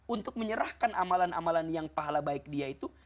untuk menyerahkan amalan amalan yang pahala baik dia itu